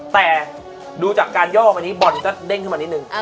แต่ดูจากการย่อมอันนี้บอลก็เด้งขึ้นมานิดนึง